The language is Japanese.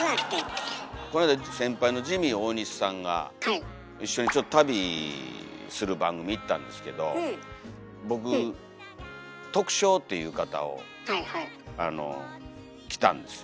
こないだ先輩のジミー大西さんが一緒にちょっと旅する番組行ったんですけど僕着たんですよ。